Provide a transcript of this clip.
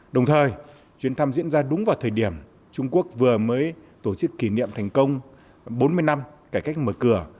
đồng thời chuyến thăm diễn ra đúng vào thời điểm trung quốc vừa mới tổ chức kỷ niệm thành công bốn mươi năm cải cách mở cửa